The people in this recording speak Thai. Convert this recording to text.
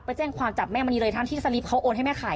ไปแจ้งความจับแม่มณีเลยทั้งที่สลิปเขาโอนให้แม่ขาย